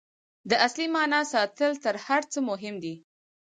د اصلي معنا ساتل تر هر څه مهم دي.